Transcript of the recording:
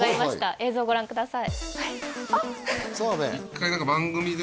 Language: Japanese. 映像ご覧ください